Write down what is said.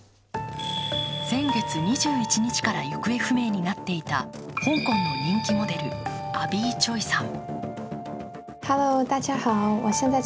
先月２１日から行方不明になっていた香港の人気も出るアビー・チョイさん。